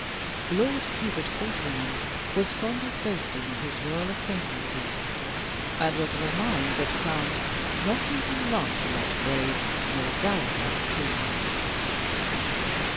Lord Hubert Aldringham was fond of boasting of his royal acquaintances, and was of a mind that found "not even Lancelot brave, nor Galahad clean."